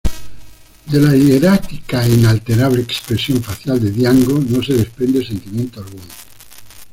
De la hierática e inalterable expresión facial de Django no se desprende sentimiento alguno.